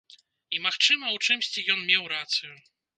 І, магчыма, у чымсьці ён меў рацыю.